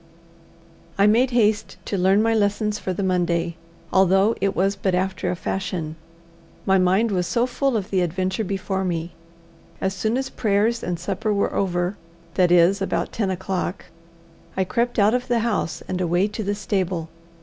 I made haste to learn my lessons for the Monday, although it was but after a fashion, my mind was so full of the adventure before me. As soon as prayers and supper were over that is, about ten o'clock I crept out of the house and away to the stable.